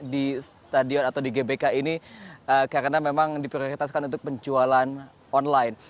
di stadion atau di gbk ini karena memang diprioritaskan untuk penjualan online